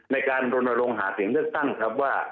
ในการรณรงค์หาเสียงเลือกตั้งครับว่า